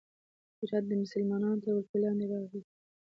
هرات د مسلمانانو تر ولکې لاندې راغی.